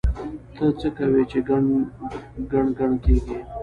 ته څه کوې چې ګڼ ګڼ کېږې؟!